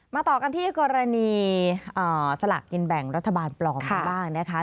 ต่อกันที่กรณีสลากกินแบ่งรัฐบาลปลอมกันบ้างนะคะ